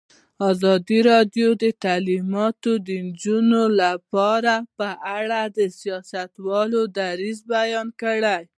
ازادي راډیو د تعلیمات د نجونو لپاره په اړه د سیاستوالو دریځ بیان کړی.